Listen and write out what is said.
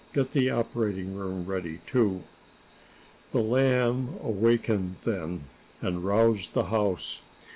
Get the operating room ready, too." The Lamb wakened then, and roused the house.